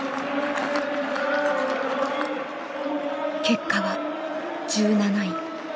結果は１７位。